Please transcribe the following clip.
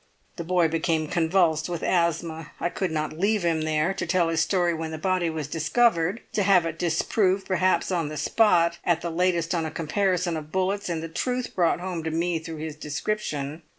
The boy became convulsed with asthma; I could not leave him there, to tell his story when the body was discovered, to have it disproved perhaps on the spot, at the latest on a comparison of bullets, and the truth brought home to me through his description.